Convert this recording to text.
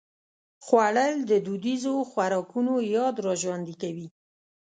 خوړل د دودیزو خوراکونو یاد راژوندي کوي